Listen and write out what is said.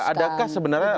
tapi adakah sebenarnya